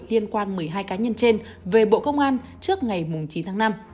liên quan một mươi hai cá nhân trên về bộ công an trước ngày chín tháng năm